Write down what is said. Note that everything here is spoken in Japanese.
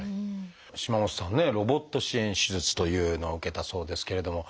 島本さんねロボット支援手術というのを受けたそうですけれども。